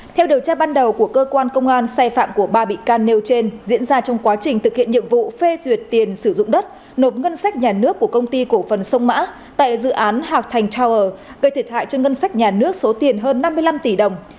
theo điều tra ban đầu của cơ quan công an xe phạm của ba bị can nêu trên diễn ra trong quá trình thực hiện nhiệm vụ phê duyệt tiền sử dụng đất nộp ngân sách nhà nước của công ty cổ phần sông mã tại dự án hạc thành tower gây thiệt hại cho ngân sách nhà nước số tiền hơn năm mươi năm tỷ đồng